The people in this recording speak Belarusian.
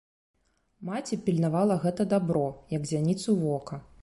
Маці пільнавала гэта дабро, як зяніцу вока.